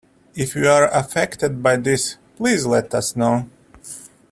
If you are affected by this, please let us know.